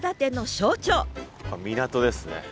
港ですね。